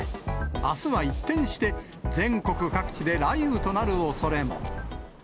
あすは一転して、全国各地で雷雨となるおそれも。